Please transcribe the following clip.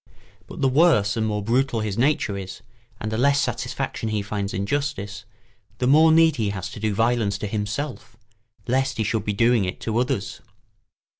But the worse and more brutal his nature is, and the less satisfaction he finds in justice, the more need he has to do violence to himself, lest he should be doing it to others.